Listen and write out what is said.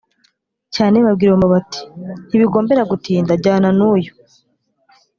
cyane babwira uwo mugabo bati: “Ntibigombera gutinda, jyana n’uyu